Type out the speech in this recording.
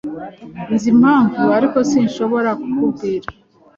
Nzi impamvu, ariko sinshobora kukubwira.